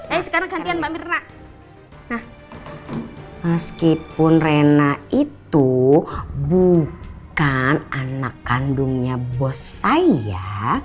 eh sekarang gantian mbak mirna nah meskipun rena itu bukan anak kandungnya bos saya